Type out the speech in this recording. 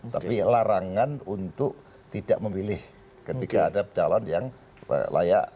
tapi larangan untuk tidak memilih ketika ada calon yang layak